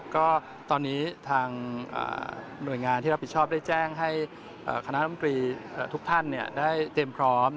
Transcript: ก็ตอนนี้ทางหน่วยงานที่รับผิดชอบได้แจ้งให้คณะรัฐมนตรีทุกท่านได้เตรียมพร้อม